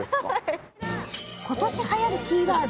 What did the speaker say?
今年はやるキーワード